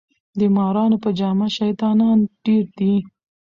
د مارانو په جامه شیطانان ډیر دي